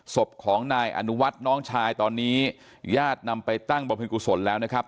ศพของนายอนุวัฒน์น้องชายตอนนี้ญาตินำไปตั้งบำเพ็ญกุศลแล้วนะครับ